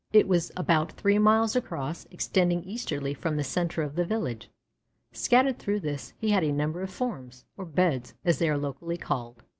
It was about three miles across, extending easterly from the centre of the village. Scattered through this he had a number of "forms," or "beds" as they are locally called.